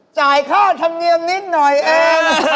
จ่ายค่าธรรมเนียมนิดหน่อยเอง